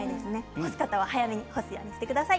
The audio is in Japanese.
干す方は早めに干すようにしてください。